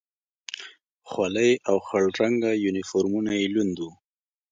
خولۍ او خړ رنګه یونیفورمونه یې لوند و.